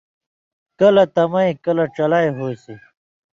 کلہۡ تمَیں کلہۡ ڇلائ ہُوئسیۡ